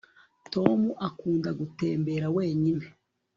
tom akunda gutembera wenyine